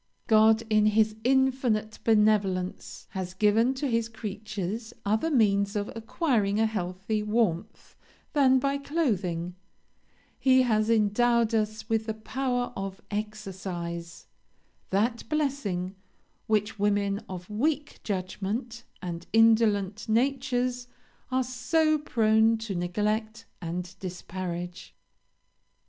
'[D] [D] Dr. Combe. "God, in his infinite benevolence, has given to his creatures other means of acquiring a healthy warmth than by clothing; he has endowed us with the power of exercise that blessing which women of weak judgment and indolent natures are so prone to neglect and disparage.